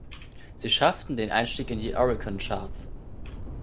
Sie schafften den Einstieg in die Oricon-Charts.